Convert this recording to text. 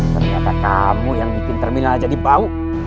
ternyata kamu yang bikin terminal jadi bau